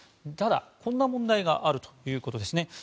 ただ、こんな問題があるということですね。